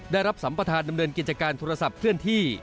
ได้รับสัมประธานดำเนินกิจการโทรศัพท์เคลื่อนที่